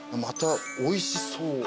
またおいしそう。